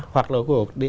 hoặc là quốc hội